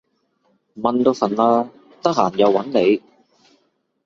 蚊都瞓喇，得閒又搵你